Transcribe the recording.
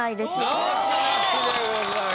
直しなしでございます。